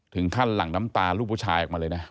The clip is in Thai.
ถึงขั้นหลังน้ำตาลูกผู้ชายออกมาเลยนะ